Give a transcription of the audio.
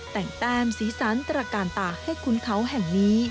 แต่งแต้มสีสันตระกาลตาให้คุ้นเขาแห่งนี้